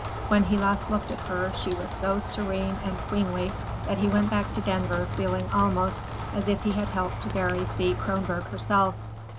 When he last looked at her, she was so serene and queenly that he went back to Denver feeling almost as if he had helped to bury Thea Kronborg herself.